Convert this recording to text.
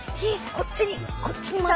こっちにこっちに回って。